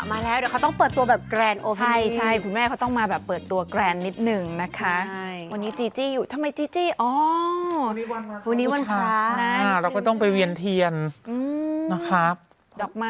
มาแล้วเดี๋ยวเขาต้องเปิดตัวใหม่